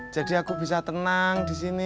jadi aku bisa tenang disini